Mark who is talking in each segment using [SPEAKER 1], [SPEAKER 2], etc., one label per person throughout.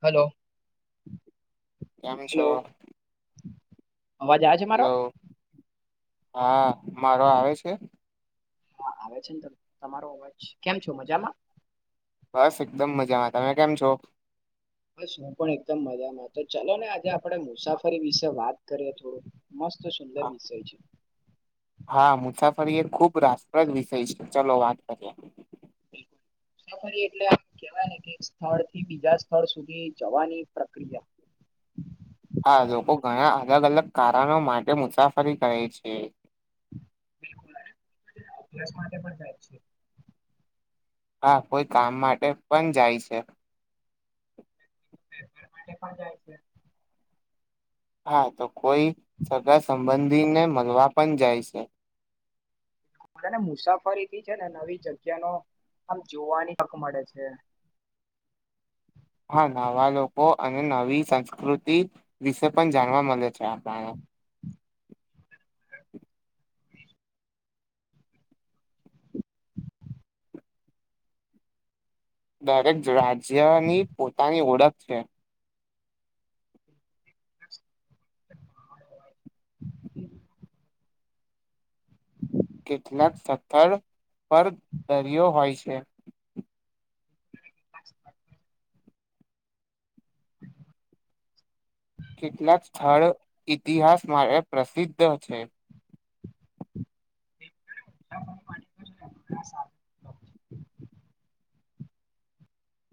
[SPEAKER 1] Hello.
[SPEAKER 2] કેમ છો?
[SPEAKER 1] Hello અવાજ આવે છે મારો?
[SPEAKER 2] હેલો હા મારો આવે છે?
[SPEAKER 1] હા આવે છે ને તમારો અવાજ કેમ છો મજામાં?
[SPEAKER 2] બસ એકદમ મજામાં તમે કેમ છો?
[SPEAKER 1] બસ હું પણ એકદમ મજામાં તો ચાલોને આજે આપણેે મુસાફરી વિશે વાત કરીએ થોડું. મસ્ત સુંદર વિષય છે.
[SPEAKER 2] હા મુસાફરી એ ખુબ રસપ્રદ વિષય છે ચાલો વાત કરીએ.
[SPEAKER 1] બિલકુલ. મુસાફરી એટલે આમ્ કહેવાય ને કે એક સ્થળ થી બીજા સ્થળ સુધી જવાની પ્રક્રિયા. [inaudible]
[SPEAKER 2] હા લોકો ઘણા અલગ-અલગ કારણો માટે મુસાફરી કરે છે.
[SPEAKER 1] અભ્યાસ માટે પણ થાય છે. [unintelligible]
[SPEAKER 2] હા કોઈ કામ માટે પણ જાય છે.
[SPEAKER 1] વેપાર માટે પણ જાય છે. [unintelligible]
[SPEAKER 2] હા તો કોઈ સગાસંબંધીને મળવા પણ જાય છે.
[SPEAKER 1] મારેને મુસાફરીની છેને નવી જગ્યા નો આમ જોવાની તક મળે છે.
[SPEAKER 2] હા નવાલોકો અને નવી સંસ્કૃતિ વિશે પણ જાણવા મળે છે આપણને. [inaudible]
[SPEAKER 1] [inaudible]
[SPEAKER 2] દરેક રાજ્યની પોતાની ઓળખ છે.
[SPEAKER 1] [inaudible]
[SPEAKER 2] કેટલાંક સ્થળ પર દરિયો હોય છે.
[SPEAKER 1] [inaudible]
[SPEAKER 2] કેટલાંક સ્થળ ઇતિહાસ માટે પ્રસિદ્ધ છે.
[SPEAKER 1] [unintelligible]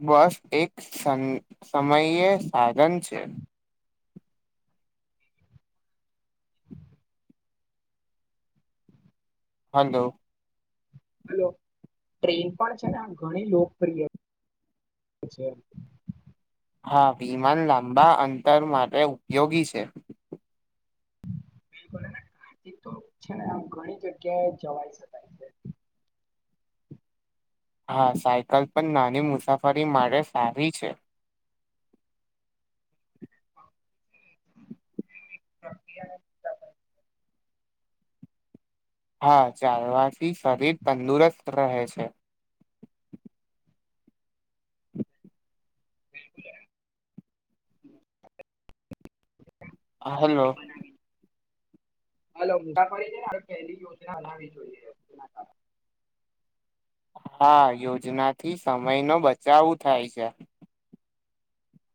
[SPEAKER 2] બસ એક સમયે સાધન છે. હલો.
[SPEAKER 1] હલો, ટ્રેન પણ છેને આમ્ ઘણી લોકપ્રિય [unintelligible] અચછા [unintelligible]
[SPEAKER 2] હા વિમાન લાંબા અંતર માટે ઉપયોગી છે.
[SPEAKER 1] બિલકુલ કા તો છે ને આમ ઘણી જગ્યાએ જવાઈ શકાય છે [unintelligible] [inaudible]
[SPEAKER 2] હા સાયકલ પણ નાની મુસાફરી મળે આવી છે.
[SPEAKER 1] હિયા [unintelligible]
[SPEAKER 2] હા ચાલવાથી શરીર તંદુરસ્ત રહે છે.
[SPEAKER 1] બિલકુલ. [unintelligible]
[SPEAKER 2] હા હેલો.
[SPEAKER 1] હલો ના ફરી છે ને પહેલી યોજના બનાવી જોઈએ તેના કારણે [unintelligible] [inaudible]
[SPEAKER 2] હા યોજના થી સમય નો બચાવું થાય છે.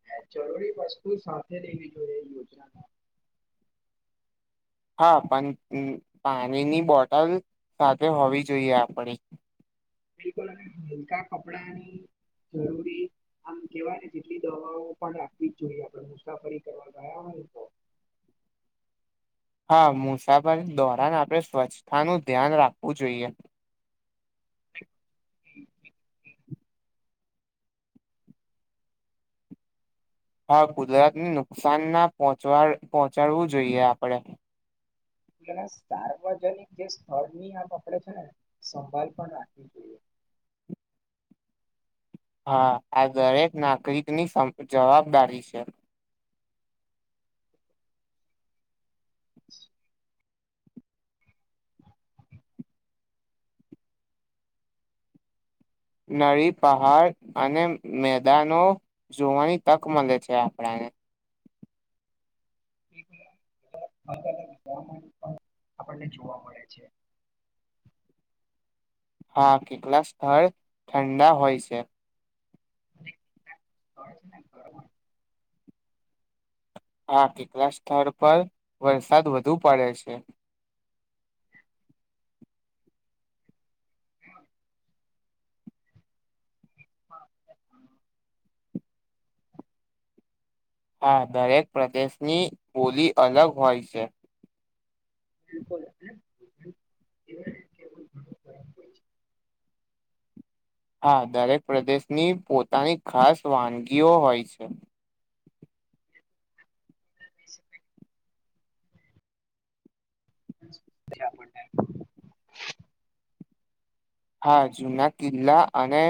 [SPEAKER 1] હ જરૂરી વસ્તુ સાથે લેવી જોઈએ યોજના [unintelligible]
[SPEAKER 2] હા પણ પાણીની બોટલ સાથે હોવી જોઈએ આપણી.
[SPEAKER 1] બિબા અને હલકા કપડાની જરૂરી [unintelligible] આમ કેવાય ને જેટલી દવાઓ પણ રાખવી જ જોઈએ આપણે મુસાફરી કરવા ગયા હોય તો [unintelligible] [inaudible]
[SPEAKER 2] હા મુસાફરી દોરન આપણે સ્વચ્છતાનું ધ્યાન રાખવું જોઈએ.
[SPEAKER 1] [unintelligible]
[SPEAKER 2] હા કુદરતને નુકસાન ના પહોચ પહોંચાડવું જોઈએ આપણે.
[SPEAKER 1] એ સાર્વજનિક જે સ્થળની આપ આપડે છેને, સંભળ પણ રાખવી જોઈએ [inaudible]
[SPEAKER 2] હા, આ દરેક નાગરિક ની જવાબદારી છે. નદિ, પહાડ અને મેદાનો જોવાની તક મળે છે, આપણાને
[SPEAKER 1] [inaudible] અલગ, અલગ હવા પણ આપણને જોવા મળે છે. [inaudible]
[SPEAKER 2] હા, કેટલાક સ્થળ ઠંડા હોય, છે.
[SPEAKER 1] અને કેટલાક સ્થળ છે ને ગરમ
[SPEAKER 2] હા, કેટલાક સ્થળ પર વરસાદ વધુ પડે છે.
[SPEAKER 1] [inaudible] હમ હા
[SPEAKER 2] હા, દરેક પ્રદેશની બોલી અલગ હોય, છે.
[SPEAKER 1] [unintelligible]
[SPEAKER 2] હા, દરેક પ્રદેશની પોતાની, ખાસ વાનગીઓ હોય છે.
[SPEAKER 1] [inaudible] ક્યા, આપને
[SPEAKER 2] હા, જુના કિલ્લા અને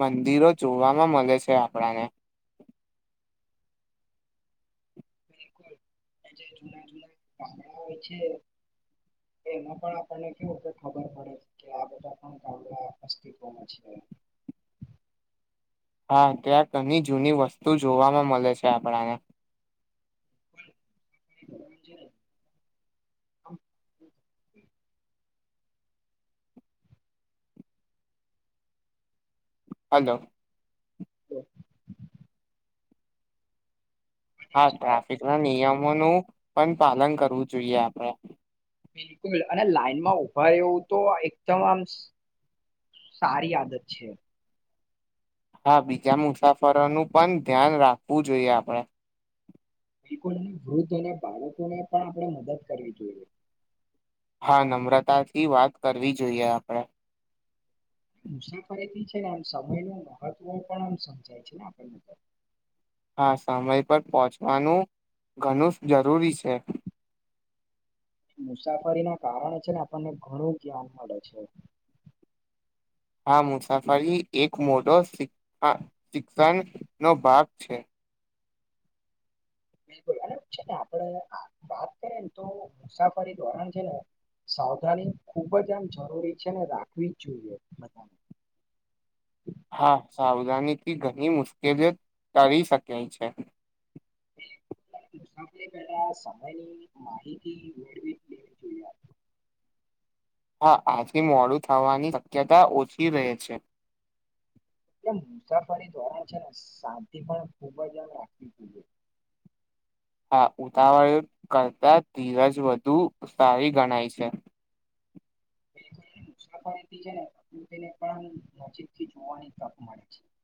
[SPEAKER 2] મંદિરો જોવાવામાં મળે છે, આપણાને
[SPEAKER 1] બિલકુલ જે જૂના, જૂના ગામડા હોય, છે. એમાં પણ આપણને કેવું, કે ખબર પડે કે આ બધા પણ ગામડા અસ્તિત્વમાં છે. [inaudible]
[SPEAKER 2] હા, ત્યાં તની જૂની વસ્તુ જોવાવામાં મળે છે. આપણાને
[SPEAKER 1] [inaudible]
[SPEAKER 2] હલો.
[SPEAKER 1] હમ
[SPEAKER 2] હા, ટ્રાફિકના નિયમોનું, પણ પાલન કરવું જોઈએ આપડે
[SPEAKER 1] બિલકુલ અને લાઈનમાં ઉભા રહેવું, તો એકદમ આમ સારી આદત છે.
[SPEAKER 2] હા, બીજા મુસાફરોનું પણ ધ્યાન રાખવું જોઈએ, આપણે
[SPEAKER 1] બિલકુલ અને વૃદ્ધ, અને બાળકોને પણ આપણે મદદ કરવી જોઈએ.
[SPEAKER 2] હા, નમ્રતાથી વાત કરવી જોઈએ, આપણે.
[SPEAKER 1] મુસાફરીથી છેને, આમ સમય ન મહત્વ પણ આમ સમજાય છેને, આપણનેર
[SPEAKER 2] હા, સમય પર પહોંચવાનું ઘણું જરૂરી છે.
[SPEAKER 1] મુસાફરી ના કારણે છેને, આપણને ઘણું ધ્યાન મળે છે.
[SPEAKER 2] આ મુસાફરી, એક મોટો શિક્ષણનો ભાગ છે.
[SPEAKER 1] બિલકુલ અને છેને, આપડે વાત કરીએ ને તો મુસાફરી ધોરણ છે ને સાવધાની ખૂબજ આમ જરૂરી છેને, રાખવી જ જોઈએ બધાને [inaudible]
[SPEAKER 2] હા, સાવધાનીથી ઘણી મુશ્કેલી કરી શકાય છે.
[SPEAKER 1] [inaudible] પેલા સમયની, માહિતી મેળવી લેવી જોઈએ. [inaudible]
[SPEAKER 2] હા, આથી મોડું થવાની શક્યતા ઓછી, રહે છે.
[SPEAKER 1] એ મુસાફરી ધોરણ છેને, શાંતિ પણ ખૂબજ આમ રાખવી પ [inaudible]
[SPEAKER 2] હા, ઉતાવળ કરતા ધીરજ વધુ સારી ગણાય છે.
[SPEAKER 1] [unintelligible] મુસાફરી છેને, તેને પણ આ નજીક થી જોવાની તક મળે છે. [inaudible]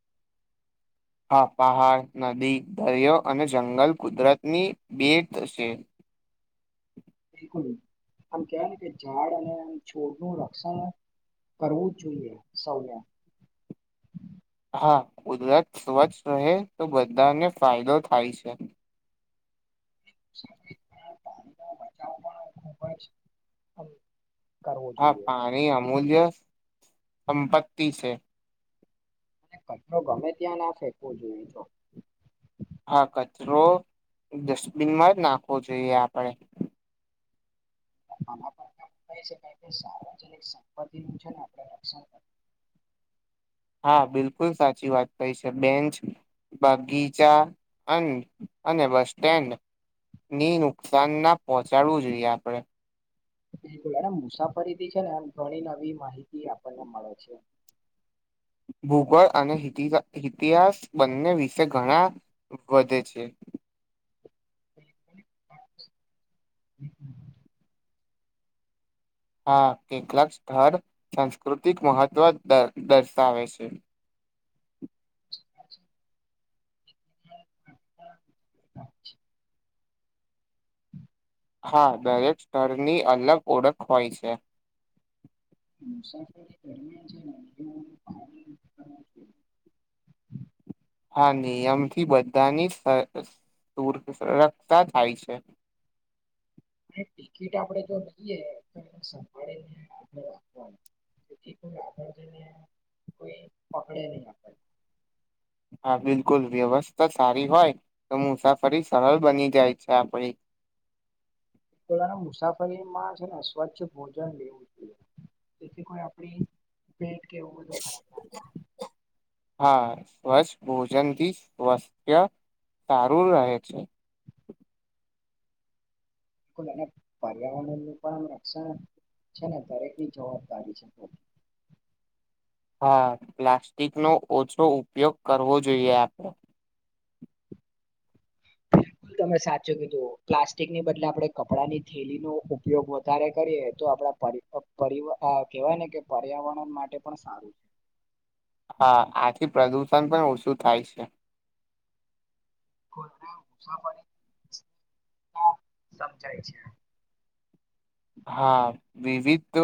[SPEAKER 2] હા, પહાડ નદી, દરિયો અને જંગલ કુદરતની બેટ છે.
[SPEAKER 1] [inaudible] બિલકુલ આમ કેવાય ને કે ઝાડ અને છોડનું રક્ષણ કરવું જોઈએ સવે
[SPEAKER 2] હા કુદરત સ્વચ્છ રહે તો બધાને ફાયદો થાય છે.
[SPEAKER 1] પાણી નો બચાવ પણ કરવો
[SPEAKER 2] હા
[SPEAKER 1] જોઈએ
[SPEAKER 2] પાણી અમૂલ્ય સંપત્તિ છે.
[SPEAKER 1] અને કચરો ગમે ત્યાં ના ફેકવો જોઈએ જો
[SPEAKER 2] હા કચરો ડસ્ટબિનમાં જ નાખવો જોઈએ આપણે.
[SPEAKER 1] આ સાર્વજનિક સંપતિ નું છે ને આપણે રક્ષણ [inaudible]
[SPEAKER 2] હા બિલકુલ સાચી વાત કઈ છે બેન્ચ બગીચા અ અને બસ સ્ટેન્ડ ની નુકસાન ના પહોંચાડવું જોઈએ આપણે
[SPEAKER 1] બિલકુલ એ મુસાફરીથી છે ને ઘણી નવી માહિતી આપણને મળે છે. [inaudible]
[SPEAKER 2] ભૂગોળ અને ઇતિહાસ બંને વિશે ઘણા વધે છે.
[SPEAKER 1] [inaudible] હમમ હમમ.
[SPEAKER 2] હા કેટલાક સ્થળ સાંસ્કૃતિક મહત્ત્વ દર દર્શાવે છે.
[SPEAKER 1] [inaudible]
[SPEAKER 2] હા દરેક સ્તરની અલગ ઓળખ હોય છે.
[SPEAKER 1] મુસાફરી [inaudible]
[SPEAKER 2] હા નિયમથી બધાની સ સુરક્ષા થાય છે.
[SPEAKER 1] [inaudible] અને ટિકિટ આપણેે જો લઈએ તો એ સંભાળીને આપણે રાખવાની જેથી કોઈ આગળ જય ને કોઈ પકડે ની આપણ ને
[SPEAKER 2] હા બિલકુલ વ્યવસ્થા સારી હોય તો મુસાફરી સરળ બની જાય છે આપડી.
[SPEAKER 1] આપડા મુસાફરીમાં છે ને સ્વચ્છ ભોજન લેવું જોઈએ. એથી કોઈ આપડી પેટ કે એવું બધું ખરાબ ના થાય.
[SPEAKER 2] હા સ્વચ્છ ભોજનથી સ્વસ્થ્ય સારું રહે છે.
[SPEAKER 1] બિલકુલ અને પર્યાવરણનું પણ રક્ષણ છે ને દરેકની જવાબદારી છે.
[SPEAKER 2] હા પ્લાસ્ટિકનો ઓછો ઉપયોગ કરવો જોઈએ આપણે.
[SPEAKER 1] [inaudible] તમે સાચું કીધું પ્લાસ્ટિક ની બદલે આપડે કપડા ની થેલી નો ઉપયોગ વધારે કરીએ તો આપડે પરી અ પ પરી અ કેવાય ને કે પર્યાવરણ માટે પણ સારું.
[SPEAKER 2] હા આથી પ્રદુષણ પણ ઓછું થાય છે.
[SPEAKER 1] મુસાફરી સમજાય છે.
[SPEAKER 2] હા વિવિધ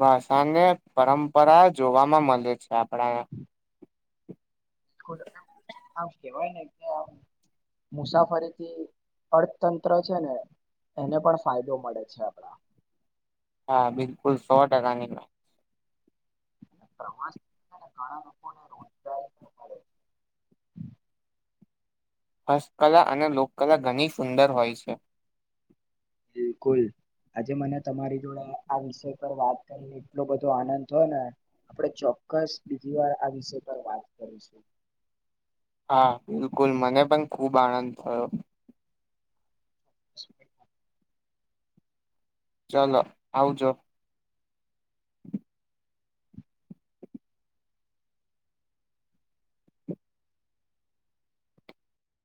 [SPEAKER 2] ભાષાને પરંપરા જોવામાં મલે છે. આપડા.
[SPEAKER 1] આમ કેવાય ને કે આમ મુસાફરીથી અર્થતંત્ર છે ને એને પણ ફાયદો મળે છે આપડા
[SPEAKER 2] હા બિલકુલ સો ટકાની
[SPEAKER 1] પ્રવાસ પણ ઘણા લોકોને રોજગારી પણ મળે છે.
[SPEAKER 2] હસ્તકલા અને લોકકલા ઘણી સુંદર હોય છે.
[SPEAKER 1] બિલકુલ. આજે મને તમારી જોડે આ વિષય પર વાત કરીને એટલો બધો આનંદ થયો ને આપડે ચોક ચોક્કસ બીજી વાર આ વિષય પર વાત કરીશું.
[SPEAKER 2] હા બિલકુલ મને પણ ખુબ આનંદ થયો.
[SPEAKER 1] [inaudible]
[SPEAKER 2] ચાલો આવજો.